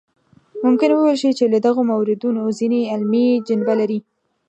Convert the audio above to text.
ممکن وویل شي چې له دغو موردونو ځینې علمي جنبه لري.